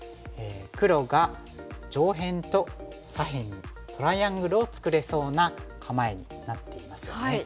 黒が上辺と左辺にトライアングルを作れそうな構えになっていますよね。